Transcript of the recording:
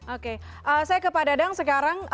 oke saya ke pak dadang sekarang